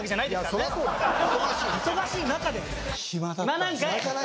忙しい中ですよ。